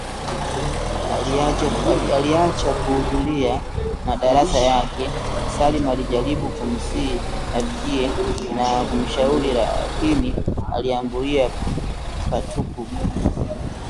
Aliacha kuhudhuria madarasa yake, Salma alijaribu kumsihi rafikiye na kumshauri lakini aliambulia patupa